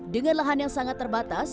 dengan lahan yang sangat terbatas